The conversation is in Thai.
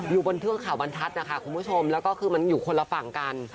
อยู่บนเทือกเขาบรรทัศน์นะคะคุณผู้ชมแล้วก็คือมันอยู่คนละฝั่งกัน